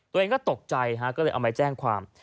ตัวเองก็ตกใจฮะก็เลยเอามาแจ้งความ